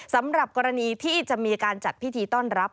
สำหรับกรณีที่จะมีการจัดพิธีต้อนรับ